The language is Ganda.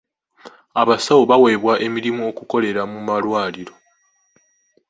Abasawo baweebwa emirimu okukolera mu malwaliro.